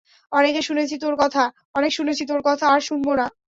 অনেক শুনেছি তোর কথা, আর শুনব না।